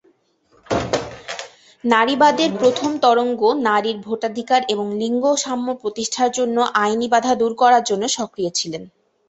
নারীবাদের প্রথম তরঙ্গ নারীর ভোটাধিকার এবং লিঙ্গ সাম্য প্রতিষ্ঠার অন্যান্য আইনি বাধা দূর করার জন্য সক্রিয় ছিল।